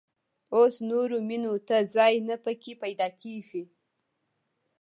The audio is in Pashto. اوس نورو مېنو ته ځای نه په کې پيدا کېږي.